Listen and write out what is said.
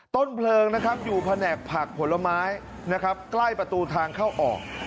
ต้นเพลิงอยู่แผนกผักผลไม้ใกล้ประตูทางเข้าออก